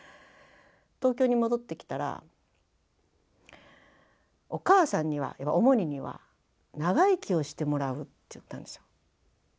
東京に戻ってきたらお母さんにはオモニには長生きをしてもらうって言ったんですよ。